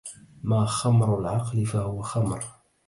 ما خمر العقل فهو خمر